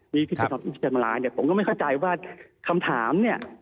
พี่พี่แจนมาร้าเนี่ยผมก็ไม่เข้าใจว่าคำถามเนี่ย